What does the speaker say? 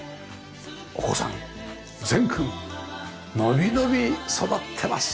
お子さん禅くんのびのび育ってます。